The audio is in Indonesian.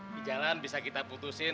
di jalan bisa kita putusin